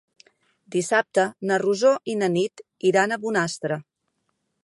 Dissabte na Rosó i na Nit iran a Bonastre.